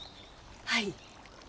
はい。